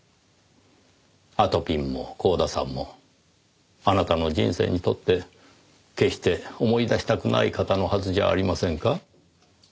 あとぴんも光田さんもあなたの人生にとって決して思い出したくない方のはずじゃありませんか？